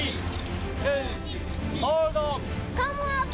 カムアップ！